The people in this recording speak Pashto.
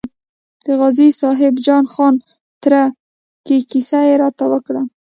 د غازي صاحب جان خان تره کې کیسه یې راته وکړه.